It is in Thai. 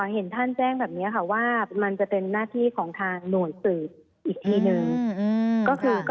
เห็นท่านแจ้งแบบนี้ค่ะว่ามันจะเป็นหน้าที่ของทางหน่วยสืบอีกทีนึง